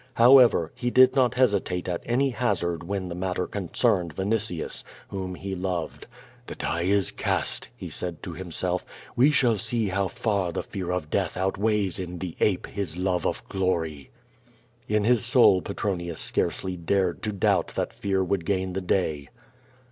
However, he did not hesitate at any hazard wlion tlic matter concerned Vinitius^ whom 26o Q^^^ VADIS, he loved. "The die is cast/' he said to himself, ^^e shall see how far the fear of death outweighs in the ape his love of glory." In his soul Petronius scarcely dared to doubt that fear would gain the day.